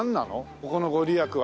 ここの御利益は？